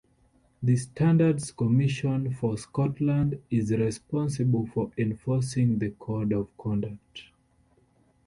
The Standards Commission for Scotland is responsible for enforcing the Code of Conduct.